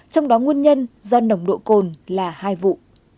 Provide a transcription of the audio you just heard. trong đó nguồn nhân do nồng độ cồn là hai vụ